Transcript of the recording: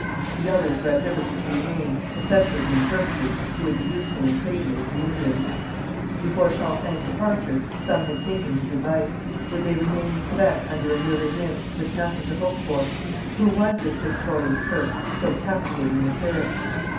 The others were at liberty to remain, especially the interpreters, who would be useful in trading with the Indians. Before Champlain's departure, some had taken his advice. Would they remain in Quebec under a new régime, with nothing to hope for? Who was this victorious Kirke, so captivating in appearance?